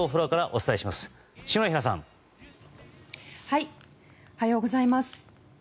おはようございます。